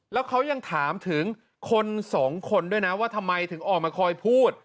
แล้วเขายังถามถึงคนสองคนด้วยนะว่าทำไมถึงออกมาคอยพูด